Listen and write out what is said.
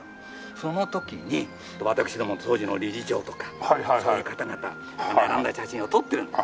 その時に私どもの当時の理事長とかそういう方々並んだ写真を撮ってるんです。